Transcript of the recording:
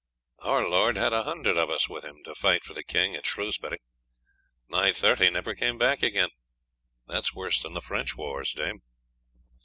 Our lord had a hundred of us with him to fight for the king at Shrewsbury. Nigh thirty never came back again. That is worse than the French wars, dame."